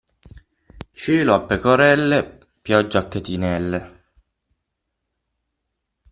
Cielo a pecorelle, pioggia a catinelle.